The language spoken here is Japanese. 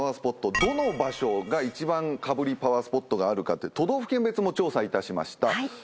どの場所が１番かぶりパワースポットがあるか都道府県別も調査いたしました。